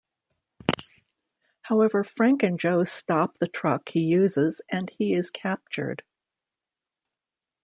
However, Frank and Joe stop the truck he uses and he is captured.